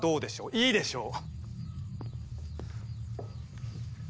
いいでしょう。